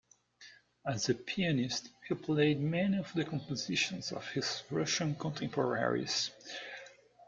As a pianist, he played many of the compositions of his Russian contemporaries.